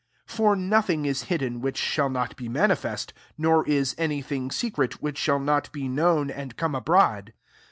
17 For nothing is hidden, which shall not be manifest: nor is any thing secret, which shall ootbekoown and come abroad.